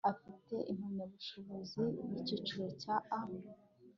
afite impamyabushobozi y ikiciro cya a